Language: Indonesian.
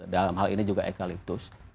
dalam hal ini juga ekaliptus